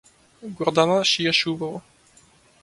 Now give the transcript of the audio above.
Гордана шиеше убаво.